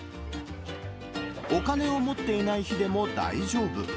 お金を持っていない日でも大丈夫。